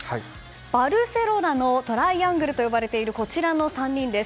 バルセロナのトライアングルと呼ばれているこちらの３人です。